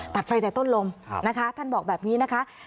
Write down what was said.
ตัดไฟแต่ต้นลมนะคะท่านบอกแบบนี้นะคะ